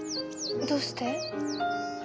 どうして？